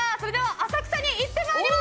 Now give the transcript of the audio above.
浅草に行ってまいります。